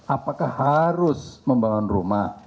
apakah harus membangun rumah